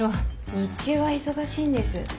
日中は忙しいんです。